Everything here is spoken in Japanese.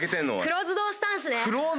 「クローズドスタンス」？